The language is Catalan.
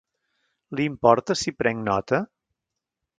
Li importa si prenc nota?